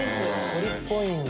鶏っぽいんだ。